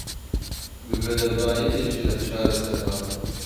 Bi bedeldayînê jî ev çareser nabe.